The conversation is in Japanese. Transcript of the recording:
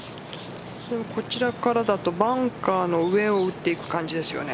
こちらからだとバンカーの上を打っていく感じですよね。